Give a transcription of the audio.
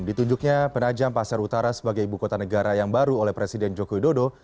ditunjuknya penajam pasar utara sebagai ibu kota negara yang baru oleh presiden joko widodo